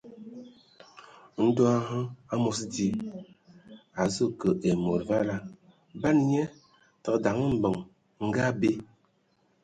Ndɔ hm, amos di, a azu kə ai mod vala, ban nye təgə daŋ mbəŋ ngə abe.